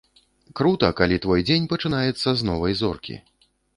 Крута, калі твой дзень пачынаецца з новай зоркі.